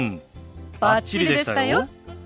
バッチリでしたよ。